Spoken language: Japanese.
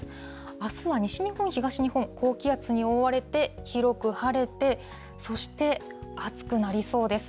あすは西日本、東日本、高気圧に覆われて広く晴れて、そして暑くなりそうです。